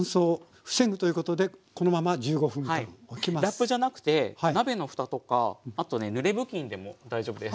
ラップじゃなくて鍋の蓋とかあとねぬれ布巾でも大丈夫です。